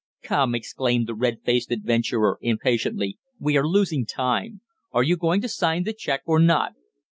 "Come," exclaimed the red faced adventurer impatiently, "we are losing time. Are you going to sign the cheque, or not?"